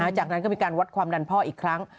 จากนั้นก็มีการวัดความดันพ่ออีกครั้ง